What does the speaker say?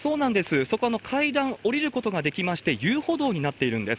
あそこの階段、下りることができまして、遊歩道になっているんです。